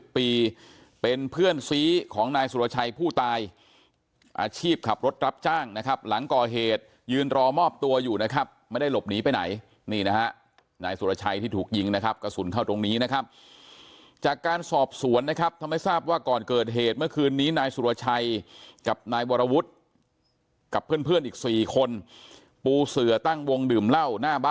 เป็นเพื่อนซีของนายสุรชัยผู้ตายอาชีพขับรถรับจ้างนะครับหลังก่อเหตุยืนรอมอบตัวอยู่นะครับไม่ได้หลบหนีไปไหนนี่นะฮะนายสุรชัยที่ถูกยิงนะครับกระสุนเข้าตรงนี้นะครับจากการสอบสวนนะครับทำให้ทราบว่าก่อนเกิดเหตุเมื่อคืนนี้นายสุรชัยกับนายวรวุฒิกับเพื่อนอีก๔คนปูเสือตั้งวงดื่มเหล้าหน้าบ